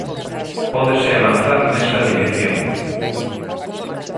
Pódese avanzar nesa dirección.